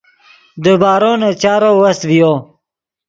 دیبارو نے چارو وست ڤیو